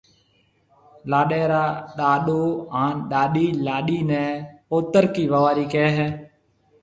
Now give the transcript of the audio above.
لاڏيَ را ڏاڏو هانَ ڏاڏِي لاڏيِ نَي پوترڪِي ووارِي ڪهيَ هيَ۔